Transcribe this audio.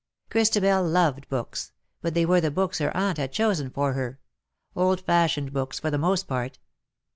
Christabel loved books, but they were the books her aunt had chosen for her — old fashioned books for the most part.